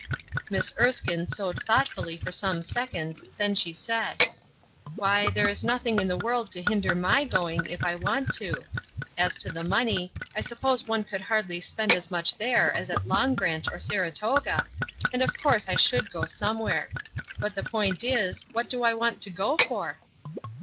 Miss Erskine sewed thoughtfully for some seconds, then she said: "Why, there is nothing in the world to hinder my going if I want to. As to the money, I suppose one could hardly spend as much there as at Long Branch or Saratoga, and of course I should go somewhere. But the point is, what do I want to go for?"